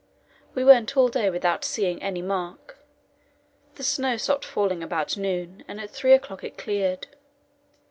We went all day without seeing any mark. The snow stopped falling about noon, and at three o'clock it cleared.